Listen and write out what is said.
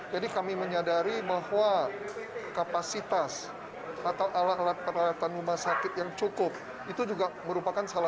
jadi kami menyadari bahwa kapasitas atau alat alat peralatan rumah sakit yang cukup